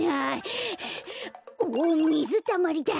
おっみずたまりだ！